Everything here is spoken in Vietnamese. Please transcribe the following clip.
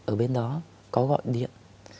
ở bên đó có gọi điện